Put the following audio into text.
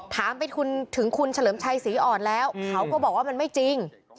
ถามไปถึงคุณเฉลิมชัยศรีอ่อนแล้วเขาก็บอกว่ามันไม่จริง